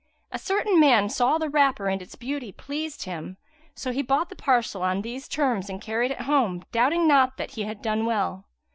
A certain man saw the wrapper and its beauty pleased him; so he bought the parcel on these terms and carried it home, doubting not that he had done well.